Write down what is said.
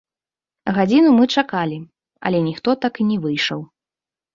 Гадзіну мы чакалі, але ніхто так і не выйшаў.